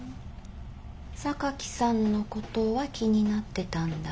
榊さんのことは気になってたんだ。